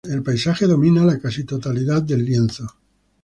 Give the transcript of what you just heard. El paisaje domina la casi totalidad del lienzo.